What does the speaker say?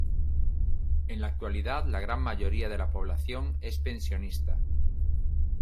En la actualidad la gran mayoría de la población es pensionista.